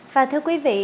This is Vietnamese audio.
và thưa quý vị